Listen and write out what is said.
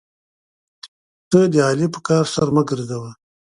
ته د علي په کار سر مه ګرځوه.